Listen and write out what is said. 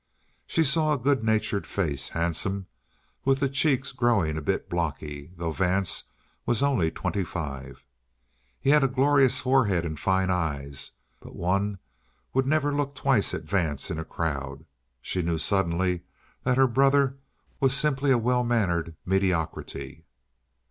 She saw a good natured face, handsome, with the cheeks growing a bit blocky, though Vance was only twenty five. He had a glorious forehead and fine eyes, but one would never look twice at Vance in a crowd. She knew suddenly that her brother was simply a well mannered mediocrity.